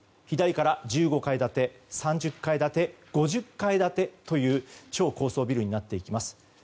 左から１５階建て、３０階建て５０階建てという超高層ビルになっていきます。